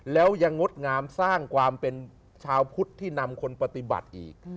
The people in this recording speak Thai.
แล้วยังงดงามสร้างความเป็นชาวพุทธที่นำคนปฏิบัติอีก